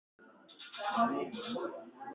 د ویا مانزوني په لورې روان شوم، هلته مې یو کار درلود.